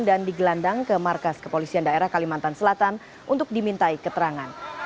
dan digelandang ke markas kepolisian daerah kalimantan selatan untuk dimintai keterangan